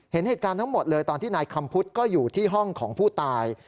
เห็นเหตุการณ์ทั้งหมดเลยตอนที่นายคำพุทธก็อยู่ที่ห้องของผู้ตาย